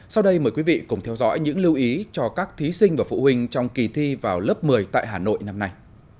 sau đây mời quý vị cùng theo dõi những lưu ý cho các thí sinh và phụ huynh trong kỳ thi vào lớp một mươi tại hà nội năm nay